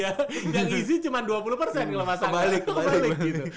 yang easy cuma dua puluh kalo mas angga itu kebalik gitu